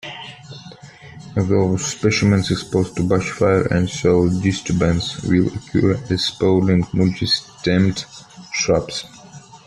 Those specimens exposed to bushfire and soil disturbance will occur as sprawling multi-stemmed shrubs.